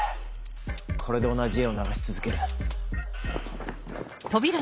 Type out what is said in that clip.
これで同じ画を流し続ける。